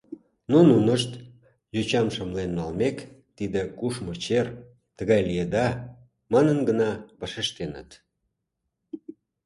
Но нунышт, йочам шымлен налмек, «Тиде кушмо чер, тыгай лиеда» манын гына вашештеныт.